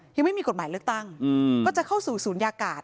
ยังไม่มีกฎหมายเลือกตั้งก็จะเข้าสู่ศูนยากาศ